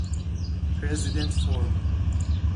پرزیدنت فورد